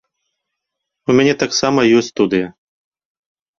У мяне таксама ёсць студыя.